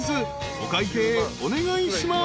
［お会計お願いします］